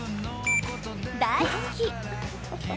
大好き。